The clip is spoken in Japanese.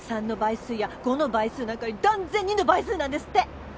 ３の倍数や５の倍数なんかより断然２の倍数なんですって！